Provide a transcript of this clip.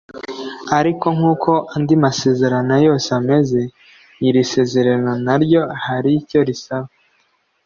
Ariko nk'uko andi masezerano yose ameze, iri sezerano na ryo hari icyo risaba.